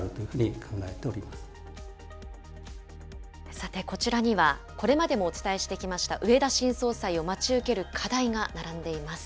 さて、こちらにはこれまでもお伝えしてきました、植田新総裁を待ち受ける課題が並んでいます。